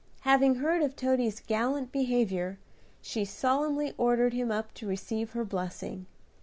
Having heard of Toady's gallant behavior, she solemnly ordered him up to receive her blessing.